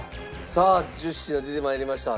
さあ１０品出て参りました。